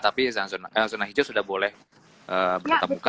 tapi zona hijau sudah boleh bertatap muka